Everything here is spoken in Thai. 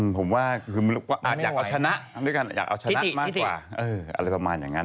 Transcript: ผมว่าอยากเอาชนะ